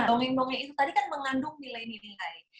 dongeng dongeng itu tadi kan mengandung nilai nilai